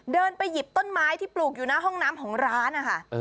เดินไปหยิบต้นไม้ที่ปลูกอยู่หน้าห้องน้ำของร้านนะคะ